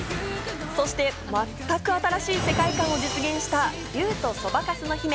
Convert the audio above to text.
そして全く新しい世界観を実現した『竜とそばかすの姫』。